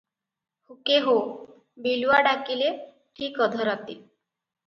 ହୁକେ-ହୋ, ବିଲୁଆ ଡାକିଲେ ଠିକ୍ ଅଧରାତି ।